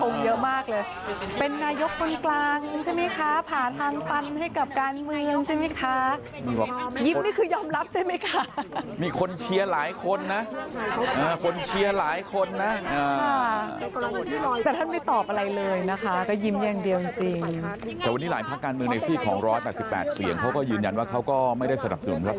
ขอบคุณมากครับขอบคุณมากขอบคุณมากขอบคุณมากขอบคุณมากขอบคุณมากขอบคุณมากขอบคุณมากขอบคุณมากขอบคุณมากขอบคุณมากขอบคุณมากขอบคุณมากขอบคุณมากขอบคุณมากขอบคุณมากขอบคุณมากขอบคุณมากขอบคุณมากขอบคุณมากขอบคุณมากขอบคุณมากขอบคุณมากขอบคุณมากขอ